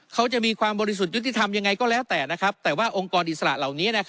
เขาจะมีความบริสุทธิ์ยุติธรรมยังไงก็แล้วแต่แต่ว่าองค์กรอิสระเหล่านี้